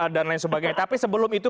dan lain sebagainya tapi sebelum itu